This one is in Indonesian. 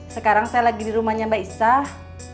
sekarang saya lagi di rumahnya mbak isah